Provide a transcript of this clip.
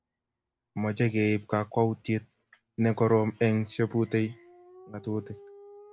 Mochei keib kakwautiet ne korom eng chebutei ngatutik